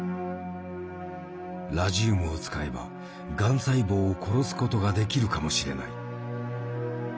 ラジウムを使えばがん細胞を殺すことができるかもしれない。